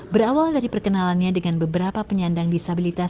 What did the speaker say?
berawal dari perkenalannya dengan beberapa penyandang disabilitas